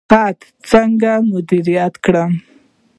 خطر څنګه مدیریت کړو؟